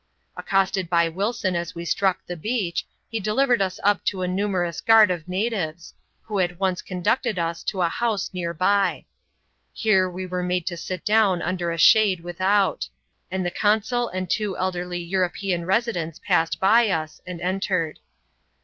Accosted by Wilson as we struck the beach, he delivered us up to a numerous guard of natives, who at once conducted us to a house near by. Here we were made to sit down under a shade without; and the consul and two elderly European residents passed by us, and entered.